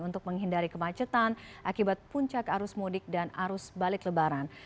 untuk menghindari kemacetan akibat puncak arus mudik dan arus balik lebaran